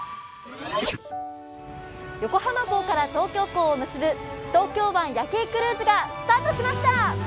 横浜港から東京港を結ぶ東京湾夜景クルーズがスタートしました。